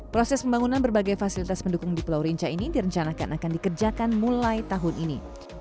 proses pembangunan berbagai fasilitas pendukung di pulau rinca ini direncanakan akan dikerjakan mulai tahun ini